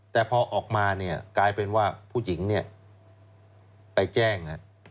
แต่พอออกมาเนี่ยกลายเป็นว่าผู้หญิงไปแจ้ง